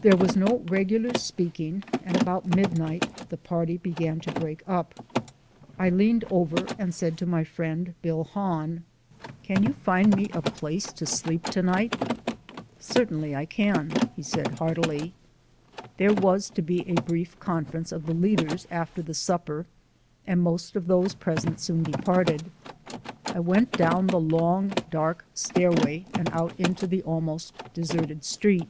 There was no regular speaking, and about midnight the party began to break up. I leaned over and said to my friend Bill Hahn: "Can you find me a place to sleep tonight?" "Certainly I can," he said heartily. There was to be a brief conference of the leaders after the supper, and those present soon departed. I went down the long, dark stairway and out into the almost deserted street.